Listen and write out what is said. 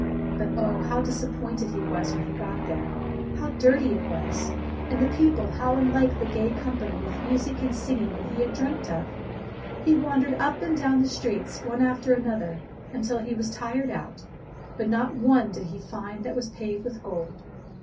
But oh ! how disappointed he was when he got there. How dirty it was ! And the people, how unlike the gay company, with music and singing, that he had dreamt of! He wandered up and down the streets, one after another, until he was tired out, but not one did he find that was paved with gold.